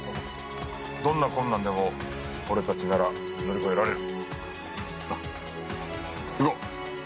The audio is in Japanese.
どんな困難でも俺たちなら乗り越えられる。